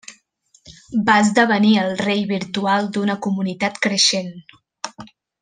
Va esdevenir el rei virtual d'una comunitat creixent.